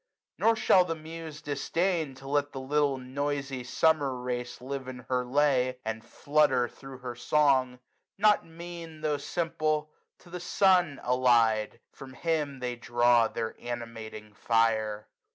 Nor shall the Muse disdain To let the little noisy summer race ' Live in her lay, and flutter thro' her song : Not mean tho' simple ; to the sun ally'd. From him they draw their animating fire.